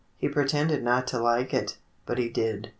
He pretended not to like it, but he did.